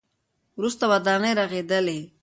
وروسته ودانۍ رغېدلې.